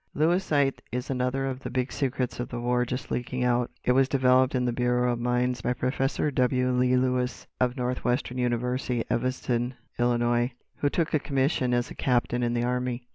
"'Lewisite' is another of the big secrets of the war just leaking out. It was developed in the Bureau of Mines by Professor W. Lee Lewis, of Northwestern University, Evanston, Ill., who took a commission as a captain in the army.